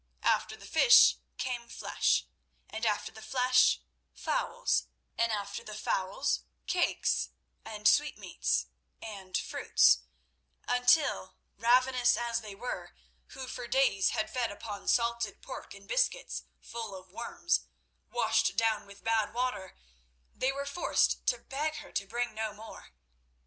After the fish came flesh, and after the flesh fowls, and after the fowls cakes and sweetmeats and fruits, until, ravenous as they were, who for days had fed upon salted pork and biscuits full of worms washed down with bad water, they were forced to beg her to bring no more.